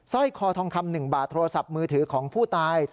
ร้อยคอทองคำ๑บาทโทรศัพท์มือถือของผู้ตาย